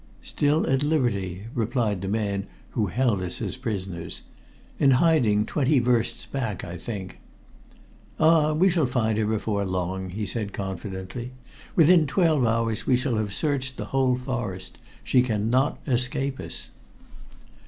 "Still at liberty," replied the man who held us as prisoners. "In hiding twenty versts back, I think." "Ah, we shall find her before long," he said confidently. "Within twelve hours we shall have searched the whole forest. She cannot escape us."